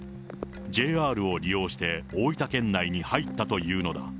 ＪＲを利用して、大分県内に入ったというのだ。